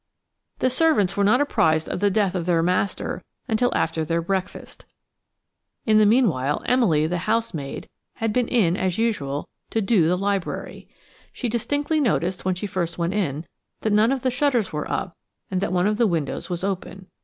The servants were not apprised of the death of their master until after their breakfast. In the meanwhile Emily, the housemaid, had been in, as usual, to "do" the library. She distinctly noticed, when she first went in, that none of the shutters were up and that one of the windows was open.